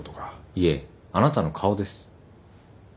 いえあなたの顔です。